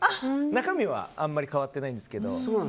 中身はあまり変わってないんですけど。